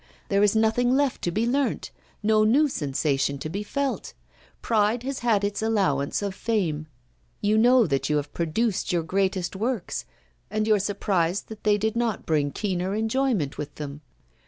There is nothing left to be learnt, no new sensation to be felt; pride has had its allowance of fame; you know that you have produced your greatest works; and you are surprised that they did not bring keener enjoyment with them.